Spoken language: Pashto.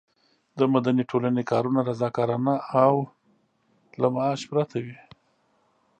د مدني ټولنې کارونه رضاکارانه او له معاش پرته وي.